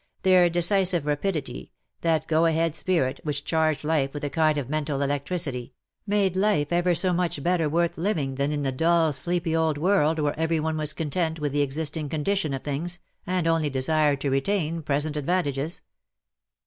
Their decisive rapidity, that go a head spirit which " LOVE WILL HAVE HIS DAY." 63 charged life with a kind of mental electricitv — made life ever so much better worth living than in the dull sleepy old world where every one was content with the existing condition of things^ and only desired to retain present advantages.